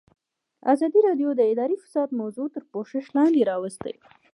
ازادي راډیو د اداري فساد موضوع تر پوښښ لاندې راوستې.